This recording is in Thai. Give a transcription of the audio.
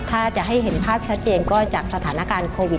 ถ้าจะให้เห็นภาพชัดเจนก็จากสถานการณ์โควิด